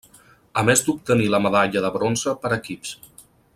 A més d'obtenir la medalla de bronze per equips.